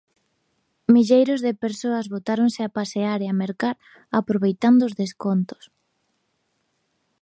Milleiros de persoas botáronse a pasear e a mercar aproveitando os descontos.